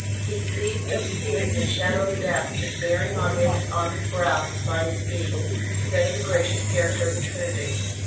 He sees them seated in the shadow of death, and bearing on their dishonored brows the sign of the beast, instead of the glorious character of the Trinity.